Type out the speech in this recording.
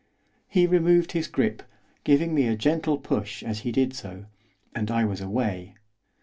He removed his grip, giving me a gentle push as he did so, and I was away.